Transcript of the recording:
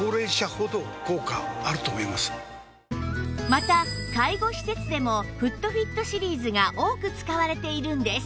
また介護施設でもフットフィットシリーズが多く使われているんです